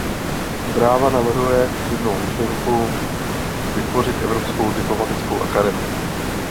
Zpráva navrhuje slibnou myšlenku vytvořit evropskou diplomatickou akademii.